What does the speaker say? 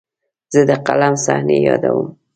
زه د فلم صحنې یادوم.